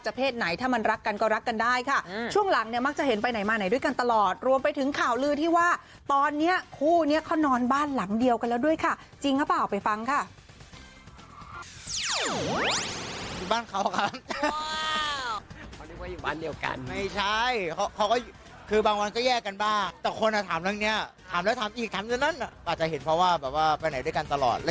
จะเพศไหนถ้ามันรักกันก็รักกันได้ค่ะช่วงหลังมักจะเห็นไปไหนมาไหนด้วยกันตลอดรวมไปถึงข่าวลือที่ว่าตอนนี้คู่เขานอนบ้านหลังเดียวกันแล้วด้วยค่ะ